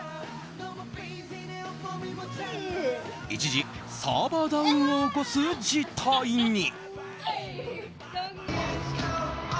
一時、サーバーダウンを起こす事態に。